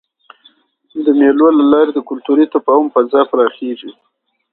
د مېلو له لاري د کلتوري تفاهم فضا پراخېږي.